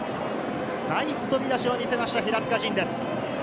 ナイス飛び出しを見せました、平塚仁です。